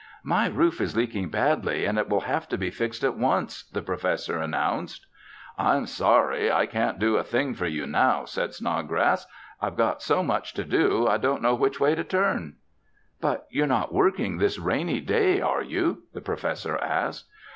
"My roof is leaking badly and it will have to be fixed at once," the Professor announced. "I'm sorry, I can't do a thing for you now," said Snodgrass. "I've got so much to do, I don't know which way to turn." "But you're not working this rainy day, are you?" the Professor asked.